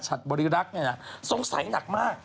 บริรักษ์เนี่ยนะสงสัยหนักมาก